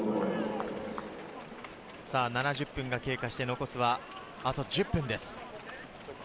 ７０分が経過して残すはあと１０分です。